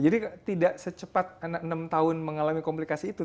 jadi tidak secepat anak enam tahun mengalami komplikasi itu